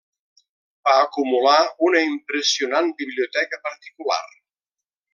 Va acumular una impressionant biblioteca particular.